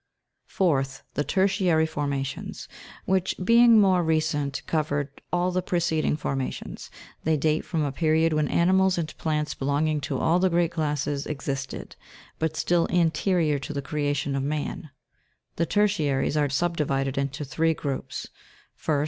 7. Fourth. The tertiary formations, which, being more re cent, covered all the preceding formations ; they date from a period when animals and plants belonging to all the great classes existed, but still anterior to the creation of man : The tertiaries are suhdix'ided into three groups ; 1st.